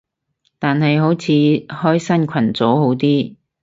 但係好似開新群組好啲